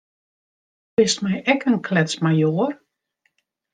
Do bist my ek in kletsmajoar.